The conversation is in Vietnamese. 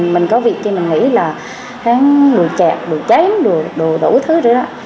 mình có vị trí mình nghĩ là hắn đùi chẹp đùi chém đùi đủ thứ rồi đó